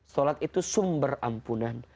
sholat itu sumber ampunan